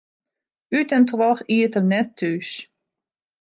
Ut en troch iet er net thús.